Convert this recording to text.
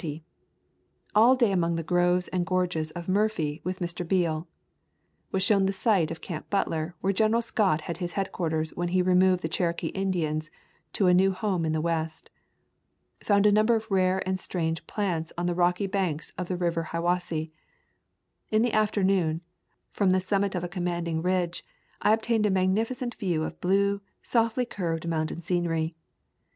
All day among the groves and gorges of Murphy with Mr. Beale. Was shown the site of Camp Butler where General Scott had his headquarters when he removed the Cherokee Indians to a new home in the West. Found a number of rare and strange plants on the rocky banks of the river Hiwassee. In the afternoon, from the summit of a commanding ridge, I obtained a magnificent view of blue, softly curved mountain scenery.